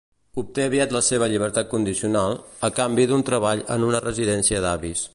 Obté aviat la seva llibertat condicional, a canvi d'un treball en una residència d'avis.